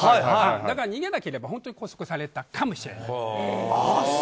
だから逃げなければ本当に拘束されたかもしれない。